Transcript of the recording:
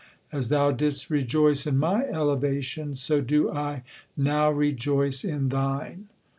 As thou didst rejoice in my elevation, so do I now rejoice in thine."